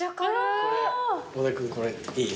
小田君これいい？